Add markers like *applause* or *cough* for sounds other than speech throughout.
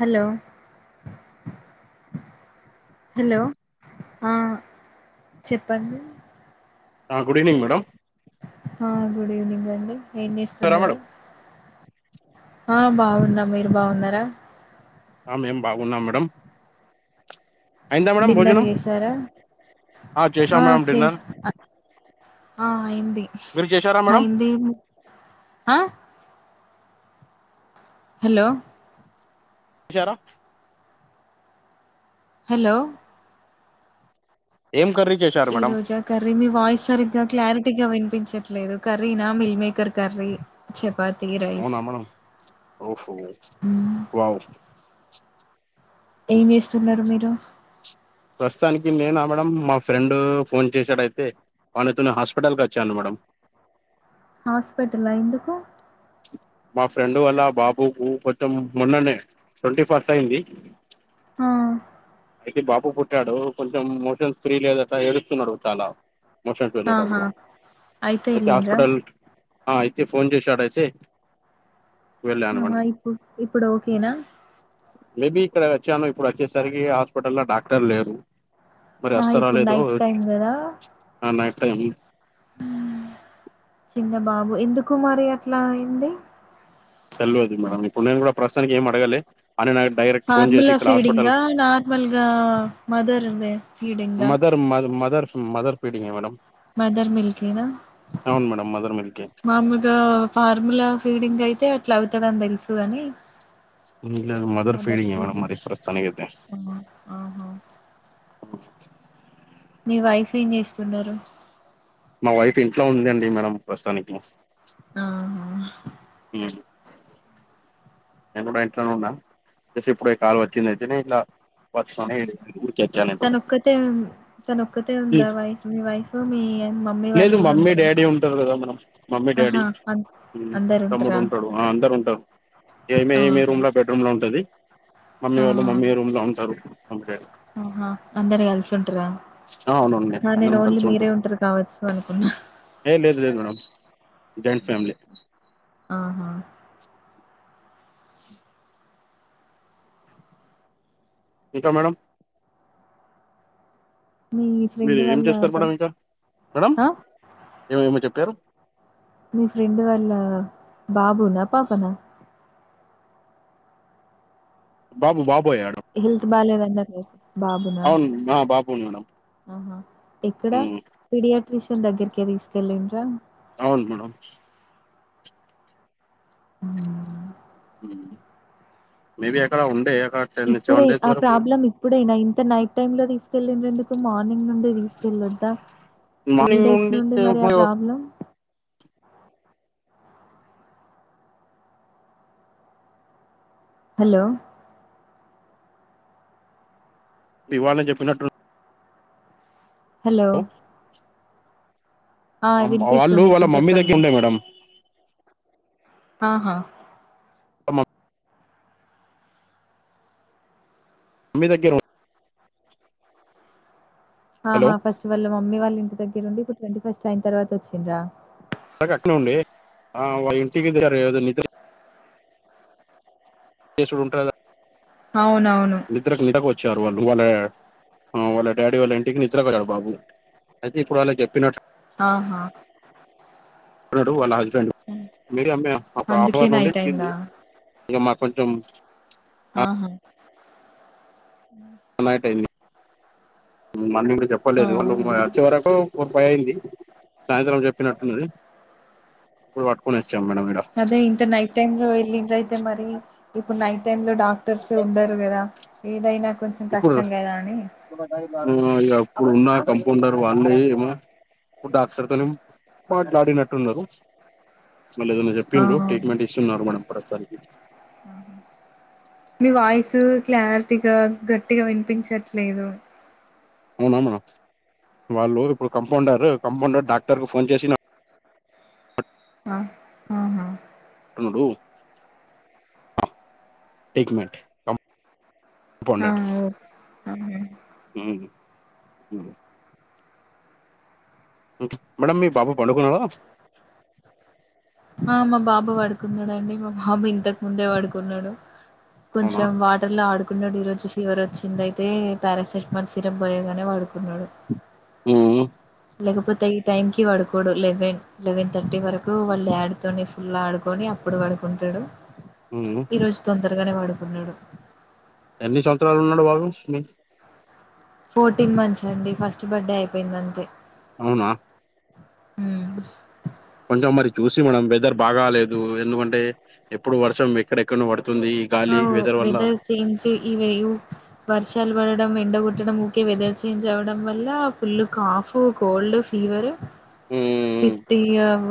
Hello hello ఆ చెప్పండి good evening madam ఆ గుడ్ ఈవెనింగ్ అండి ఏం చేస్తున్నారు ఆ బాగున్న మీరు బాగున్నారా ఆ మేం బాగున్నాం మేడం అయిందా మేడం డిన్నర్ భోజనం చేసారా ఆ చేశాం మేడం చేస డిన్నర్ ఆ అయింది మీరు చేశారా మేడం అయింది ఆహ్ హలో విచారా హలో ఏం కర్రీ చేశారు ఈ మేడం రోజా కర్రీ మీ వాయిస్ సరిగ్గా క్లార్ టిగా వినిపించట్లేదు కర్రీనా meal maker curry chapati rice అవునా మేడం ఓహో వావ్ ఏం చేస్తున్నారు మీరు రు ప్రస్తుతానికి నేనా మేడ మా ఫ్రెండ్ ఫోన్ చేశాడయితే వానతో హాస్పిటల్కి వచ్చాను మేడం హాస్పిటల్ ఎందుకు మా ఫ్రెండ్ వల్ల బాబుకు కొంచెం మొన్ననే ట్వంటీ ఫస్ట్ అయింది ఆ అయితే బాబు పుట్టాడు కొంచెం మోషన్స్ ఫ్రీ లేదట ఏడుస్తున్నాడు చాలా మోషన్స్ అయినట ఆహా అయితే హాస్పిటల్ ఆ ఫోన్ చేసి అడాసి ఆహా ఇప్పు ఇప్పుడు ఓకేనా మేబీ ఇక్కడ వచ్చాను ఇప్పుడు వచ్చేసరికి అఫ్ హాస్పిటల్లో డాక్టర్ లేరు మరి ఆ వస్తారో ఇప్పుడు నైట్ టైం కదా థైనిర్ మ్మ్ చిన్న బాబు ఎందుకు మరి అట్లా అయింది తెల్వదు మేడం ఇప్పుడు నేను కూడా ప్రస్తుతానికి ఏం అడ్ పెరగలే ఫార్ములా ఫీడింగ్ నార్మల్గా మదర్ ఉందా ఫీడింగా మదర్ *inaudible* మదర్ ఫీడింగే మేడం మదర్ మిల్క్నా అవును మేడం మదర్ మిల్కే మామూలుగా ఫార్ములా ఫీడింగ్ అయితే ఎట్లా అవుతుందని తెలుసుగాని ఇలే మదర్ ఫీడింగ్ మేడం మరి ప్రస్తుతానికైతే ఆ! ఆహా అ మీ వైఫ్ ఏం చేస్తున్నారు మా వైఫ్ ఇంట్లో ఉందండి మేడం ప్రస్తుతానికి ఆ నేను కూడా ఇంట్లోనే ఉన్నా ఇప్పుడ కాలు వచ్చిందియితేనే ఇలా వచ్చ తనొకతే తనొక్కతే ఉమ్, ఉందా వైఫ్ మి వైఫ్ రు మీ మమ్మీ వాళ్ళు లేదు కూడా మమ్మీ ఉంటారా డాడీ ఉంటారు కదా మనం మమ్మీ డాడీ ఆహా మ్మ్ అందరు తమ్ముడు ఉంటారా ఉంటాడు ఆ అందరు ఉంటారు ఎమె ఏమి ఆహా రూమ్ లో బెడ్రూమ్ లో ఉంటంది మమ్మీ ఆ! వాళ్ళు మమ్మీ రూమ్ లో ఉంటారు అంతే ఆహా! అందరు కలిసి ఉంటరా? అవునవును ఆ! నేను అందరం ఓన్లీ కలిసి మీరే ఉంటాం ఉంటరు కావచ్చు అనుకున్నా. ఏ లేదు లేదు మేడం జాయింట్ హ్మ్. ఫ్యామిలీ ఆహా ఇంకా మేడం మీ మీరు ఫ్రెండ్ ఏం వాళ్ళ చేస్తారు బా మేడం ఇంకా మేడంమ్ ఆ? ఏమేమో చెప్పారు మీ ఫ్రెండ్ వాళ్ళ బాబునా పాపనా బాబు బాబు హల్త్ బాలేదా *unintelligible* అవును బాబు ఉడం ఆహా ఇక్కడ పీడి ర్రిషన్ దగ్గకకి తీసుకళ్లింరా అవును మేడం మ్మ్ మేబి అక్కడ ఉండే అక్కడ టెన్ సెవెన్ ఇప్పుడే డేస్ ఆ వరకు ప్రాబ్లం ఇప్పుడైనా ఇ నైట్ టై లో తీ తీసుకెళ్ళన ఎందుకు మార్నింగ్ నుండి తీసుకెళ్ళొద్దా ఎనీ డేస్ నుండి మరి ఆ ప్రాబ్లం హలో ఇవాళనే చెప్పినట్టు హలో ఆ! వాళ్ళు వినిపిస్తుంది. వాళ్ళ ఇప్పుడు మమ్మీ దగ్గర చెప్పండి. ఉండే మేడం ఆహా *unintelligible* మామ్మి దగ్గిర హా హలో ఫస్ట్ వాళ్ళ మమ్మీ వాళ్ళ ఇం దగ్గరుండి ట్వంటీ ఫస్ట్ అయిన తర్వాత వచ్చిండ్రా కట్న ఉండి ఇంటికిని ఏ చూడు ఉంటారు అవునవును. నిదరక *unintelligible* వచ్చ వాళ్ళు వాళ్ళ వాళ్ళ డాడీ వాళ్ళ ఇంటికి నిద్ర కి పోయాడు బాబు అయితే ఇప్పుడు వాళ్ళ చెప్పినట్టు ఆహా *unintelligible* హ్మ్. మీ అమ్మ ఒక హాఫ్ అందుకే అవర్ నుండి నైట్ అయిందా? ఉంది ఇంక మా కొంచం ఆహా మార్నింగ్ చెప్పలేదు వాళ్ళు ఆహా! వచ్చి వరకు ముప్పై అయింది సాయంత్రం చెప్పినట్టున్నది ఇప్పుడు పట్టుకునే అదే ఇంత నైట్ టైమ్ లో వెళ్ళిన్దయితే మరి ఇప్పుడు నైట్ టైమ్‌లో డాక్టర్స్ ఉండరు కదా ఏదైనా కొంచెం ఇప్పుడు కష్టం గదా అని ఇక ఇప్పుడు ఉన్న కంపౌండర్ వాన్న ఏమో ఇప్పు డాక్టర్తోనే మాట్లాడినట్టు ఉన్నారు మళ్ళీ ఏదైనా ఆ! చెప్పిండ్రు ట్రీట్మెంట్ ఇస్తున్నారు మేడం ప్రస్తుతానికి మీ వాయిస్ క్లారిటీగా గట్టిగా వినిపించట్లేదు అవునా మేడం వాళ్ళు ఇప్పుడు కంపౌండర్ కంపౌండర్ డాక్టర్కి ఫోన్ చేసిిన ఆ ఆ ప్పుడు ఏక్ మినిట్ ఆహా ఓ అ మేడం మీ బాబు పండుకున్నాడా ఆ మా బాబు పడుకున్నాడండి మా బాబు ఇంతకు ముందే పడుకున్నాడు అవునా కొంచెం వాటర్ లో ఆడుకున్నాడు ఈరోజు ఫీవర్ వచ్చింది అయితే పారాసెటిమాల్ సిరప్ పోయేగానే వాడుకు ఊమ్ లేకపోతే ఈ టైం కి వడుకోడు లెవెన్ లెవెన్ థర్టీ వరకు వాళ్ళు యాడ్ తోని ఫుల్ ఆడుకొని అప్పుడు పడుకుంటాడు ఉమ్. ఈరోజు తొంద తొందరగానే వాడుకున్నాడు ఎన్ని సంవత్సరాలు ఉన్నాడు బాబు ఫోర్టీన్ మంత్స్ అండి ఫస్ట్ బర్త్డే అయిపోయింది అంతే అవునా ఉ కొంచెం మరి చూసి మనం వెదర్ బాగాాలేదు ఎందుకంటే ఎప్పుడు వర్షం ఎక్కడెక్కడ పడు అ వెదర్ చంజ్ ఇవ వర్షాలు వ ఎండ కుట్టడం ఊరికే వెదర్ చేంజ్ అవడం వల్ల ఫుల్ కాఫ్ కోల్డ్ ఫీవర్ ఉమ్. Fifty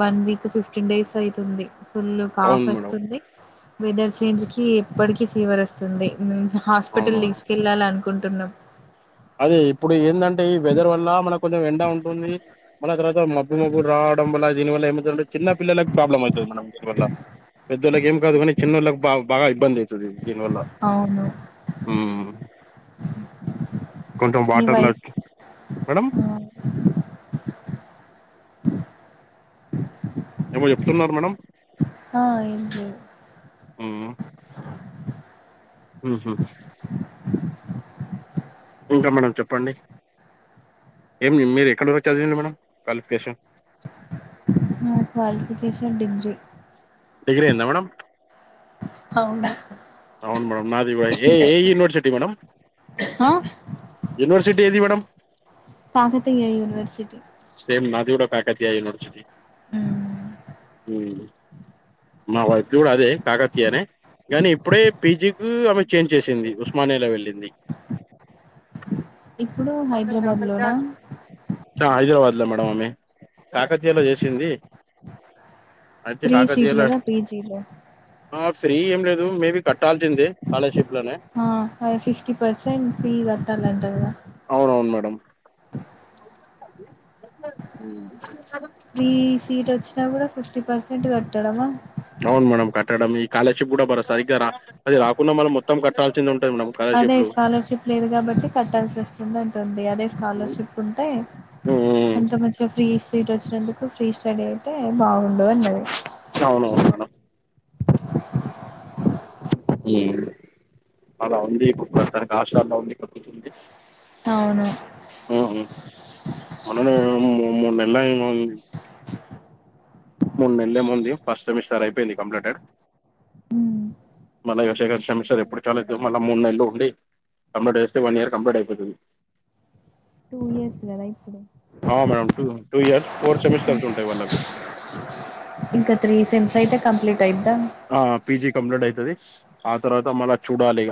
one week fifteen days అయితుంది ఫుల్ కాఫ్ అవును మేడం వస్తుంది వెదర్ చేంజ్ కి ఎప్పటికీ ఫీవర్ వస్తుంది అవును హాస్పిటల్ దీసుకెళ్లాలి అనుకుంటే తన్నాం అదే ఇప్పుడు ఎంద అంటే ఈ వెదర్ వల్ల మనం కొంచం ఎండ ఉంటుంది మల్ల తరువాత మబ్బు మబ్బులు రావడం వల్ల దీని వల్ల ఏం అయితుంది అంటే చిన్న పిల్లకి ప్రాబ్లం అవుతుంది దీని వల్ల పెద్దళ్ళకి ఏం కాదు కానీ చిన్న వాళ్ళకి బా బాగా ఇబ్బంది అవుతుంది దీని వల్ల అవును కొంచెం మీ వాటర్ల వైఫ్ మేడం ఆహ్, ఏమో చెప్తున్నారు మేడం ఆ ఎం లేదు ఉమ్ హ్ హ్ ఇంకా మేడం చెప్పండి ఏం మీరు ఎక్కడి వరకు చదివిర్రు మేడం క్వాలిఫికేషన్ నా క్వాలిఫికేషన్ డిగ్రీ డిగ్రీ అయిందా మేడమ్ అవును అవును మేడం నాది వయి ఏ ఏ యూనివర్సిటీ మేడం ఆ యూనివర్సిటీ ఏది మేడం? కాకతీయ యూనివర్సిటీ సేమ్ నాది కూడా కాకతీయ యూనివర్సిటీ హ్మ్. హు మా వైద్యుడు అదే కాకతీయనే కానీ ఇప్పుడే పీజి ఉ ఆమె చేంజ్ చేసింది. ఉస్మానియాలా వెళ్ళింది ఇప్పుడు హైదరాబాద్లోనా ఆ అయి ద మేడం ఆమె కాకతీయలో జేసింది ఫ్రీ సీట్ గదా పీజీలో ఆ ఫ్రీ ఏం లేదు మేబీ కట్టాల్సిందే స్కాలర్‌షిప్‌లోనే. ఆ అదే ఫిఫ్టీ పర్సెంట్ ఫీ కట్టాలంట గా అవును అవును మేడం ఫ్రీ సీట్ వచ్చినా కూడా ఫిఫ్ ఫ్టీ పర్సెంట్ కట్టాడమ అవును. మేడం కట్టడమే ఈ కాలేజ్షిప్ కూడా భర సరిగ్గా రా అది రాకున్న కూడా మనం మొత్తం కట్టాల్సిందే ఉం అదే స్కాలర్షిప్ లేదు. కాబట్టి కట్టాల్సి వస్తుంది. అంటుంది అదే స్కాలర్షిప్ ఉంటే హ్మ్ అంత మంచిగా ఫ్రీ సీ సీట్ వోచ్చినందుకు ఫ్రీ స్టడీ అయితే బాగుండదు అన్నది అవునవును మేడం అలా ఉంది. ఇప్పుడు తన హాస్టళ్ల ఉంది కక్కుతుంది అవును హ్ మొన్ననే మో మూడు నెలలయి మూడు నెలలే ముంది ఫస్ట్ సెమిస్టార్ అయిపోయింది. కంప్లీటెడ్ మల్లా ఇక ఇంకా త్రీ సెకండ్ సెమిస్టర్ ఏ ఇప్పుడు సెమిస్టర్స్ చాల దు ఉన్నాయా మళ్ళా మూడు నెలలు ఉండి. కంప్లీట్ చేస్తే వన్ ఇయర్ కంప్లీట్ అయిపోతది. టూ ఇయర్స్ కదా ఇప్పుడు ఆ madam two two years four semesters ఉంటాయి. వాళ్ళకు ఇంకా త్రీ సెమ్స్ అయితే కంప్లీట్ అయిద్ద ఆ పీజీ కంప్లీట్ అయితది. ఆ తర్వాత మళ్ళ చూడాలి. ఇగ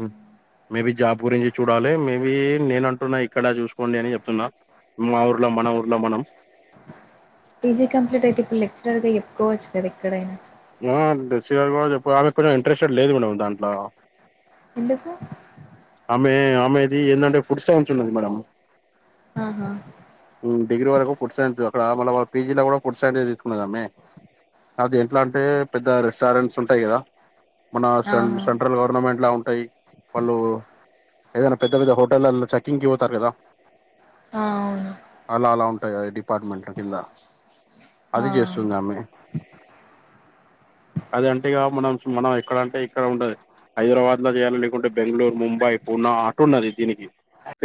హ్మ్ మేబి జాబ్ గురించి చూడాలే, మేబీ నేనంటున్నా ఇక్కడ చూసుకోండి. అని చెప్తున్నా మా ఊర్లో మన ఊర్లో మనం పీజీ కంప్లీట్ అయితే ఇప్పుడు లెక్చరర్గా చెప్పుకోవచ్చ్. సరె ఎక్కడైనా చికెన్ కూడా ఎక్కువ వాళ్ళకూడా ఇంట్రెస్టెట్ లేదు. మేడం దాంట్లో ఎందుకు ఆమ్మే అమ్మేది ఏందంటే ఫుడ్ సైన్స్ ఉన్నది. మేడం ఆహా హ్మ్ డిగ్రీ వరకు ఫుడ్ సైన్స్ అక్కడ మళ్ళ వాడ్ పీజీలో కూడా ఫుడ్ సైన్స్ ఏ తీసుకున్నాడు. గామ్మే అది ఎట్లా అంటే పెద్ద రెస్టారెంట్స్ ఉంటాయి. కదా మనా ఆహా సెంట్రల్ గవర్నమెంట్ లా ఉంటాయి. వాళ్ళు ఏదైనా పెద్ద పెద్ద హోటల్లలో చెక్కింగ్కి పోతారు. కదా ఆ అవును అలా అలా ఉంటాయి. గా డిపార్ట్మెంట్ల కింద అది ఆ చేస్తుంది. ఆమ్మే అది అంటే ఇగా మనంకు మన ఎక్కడంటే ఇక్కడ ఉండది. హైదరాబాద్ లో చేయాల లేకుంటే బెంగళూరు, ముంబై, పూనా అట్టు ఉన్నది. దీనికి ఫే